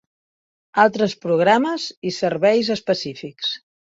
Altres programes i serveis específics.